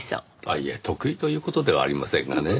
いえ得意という事ではありませんがね。